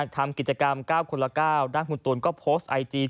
ทำกิจกรรม๙คนละ๙ด้านคุณตูนก็โพสต์ไอจี